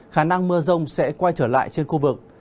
khả năng mưa rông sẽ quay trở lại trên khu vực